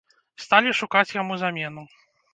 Сталі шукаць яму замену.